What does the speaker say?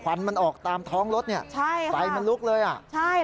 ควันมันออกตามท้องรถเนี่ยไฟล์มันลุกเลยอ่ะใช่ค่ะ